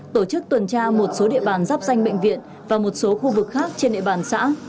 tổ chức tuần tra một số địa bàn giáp danh bệnh viện và một số khu vực khác trên địa bàn xã